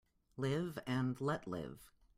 Live and let live.